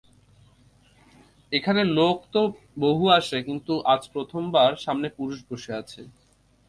এখানে লোক তো বহু আসে, কিন্তু আজ প্রথমবার সামনে পুরুষ বসে আছে।